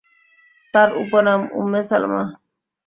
তাঁর উপনাম উম্মে সালামা।